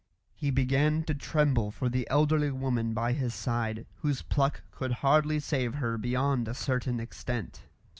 He began to tremble for the elderly woman by his side, whose pluck could hardly save her beyond a certain extent.